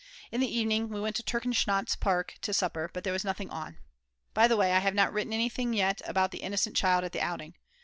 In the evening we went to Turkenschanz Park to supper, but there was nothing on. By the way, I have not written anything yet about the "innocent child" at the outing.